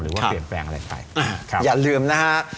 หรือว่าเปลี่ยนแปลงอะไรไปอย่าลืมนะฮะ